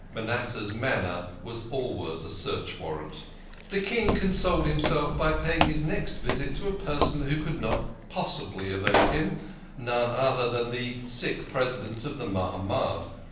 Manasseh's manner was always a search warrant. The King consoled himself by paying his next visit to a personage who could not possibly evade him none other than the sick President of the Mahamad.